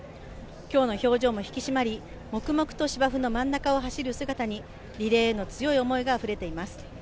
今日の表情も引き締まり黙々と芝生の真ん中を走る姿にリレーへの強い思いがあふれています。